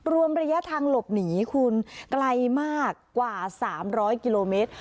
รวมระยะทางหลบหนีคุณไกลมากกว่า๓๐๐กิโลเมตร